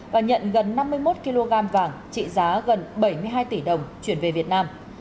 và nhận gần năm mươi một kg vàng trị giá gần bảy mươi hai tỷ đồng chuyển về việt nam